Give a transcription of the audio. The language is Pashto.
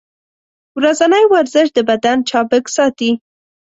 ورځنی ورزش د بدن چابک ساتي.